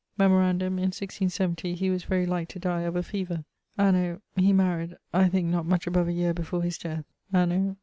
Memorandum in 1670 he was very like to dye of a feaver. Anno ..., he maried (I think not much above a yeare before his death). Anno